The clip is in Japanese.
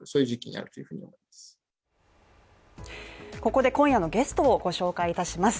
ここで今夜のゲストをご紹介いたします